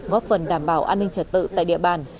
góp phần đảm bảo an ninh trật tự tại địa bàn